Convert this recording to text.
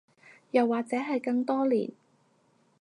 又或者係更多年